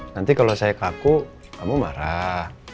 nanti kalau saya kaku kamu marah